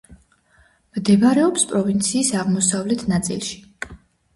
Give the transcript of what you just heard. მდებარეობს პროვინციის აღმოსავლეთ ნაწილში.